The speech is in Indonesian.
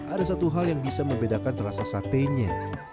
ada satu hal yang bisa membedakan rasa satenya